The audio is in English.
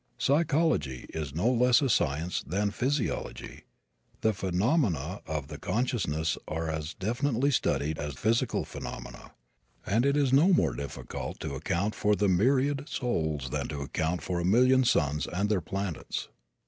Psychology is no less a science than physiology. The phenomena of consciousness are as definitely studied as physical phenomena, and it is no more difficult to account for a myriad souls than to account for a million suns and their planets.